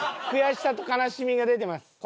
悔しさと悲しみが出てます。